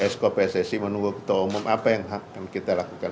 skpssi menunggu ketua umum apa yang akan kita lakukan